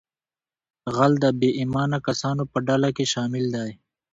غل د بې ایمانه کسانو په ډله کې شامل دی